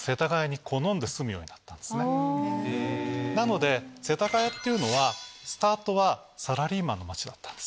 なので世田谷っていうのはスタートはサラリーマンの街だったんです。